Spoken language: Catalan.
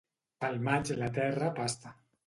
Pel maig la terra pasta.